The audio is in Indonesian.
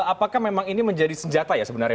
apakah memang ini menjadi senjata ya sebenarnya